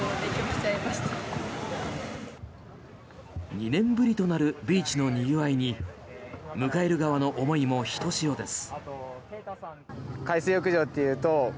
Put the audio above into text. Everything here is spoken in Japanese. ２年ぶりとなるビーチのにぎわいに迎える側の思いもひとしおです。